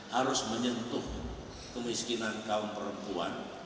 harus menyentuh kemiskinan kaum perempuan